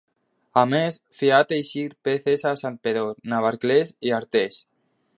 A més, feia teixir peces a Santpedor, Navarcles i Artés.